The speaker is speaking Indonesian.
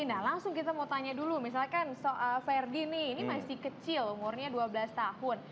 nah langsung kita mau tanya dulu misalkan verdi nih ini masih kecil umurnya dua belas tahun